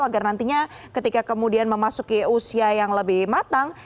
agar nantinya ketika kemudian memasuki usia yang lebih matang